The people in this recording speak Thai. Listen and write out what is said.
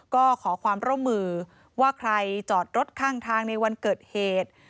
ก็ขอความร่วมมือว่าใครจอดรถข้างทางในวันเกิดเหตุ